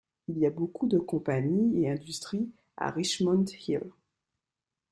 Il y a beaucoup de compagnies et industries à Richmond Hill.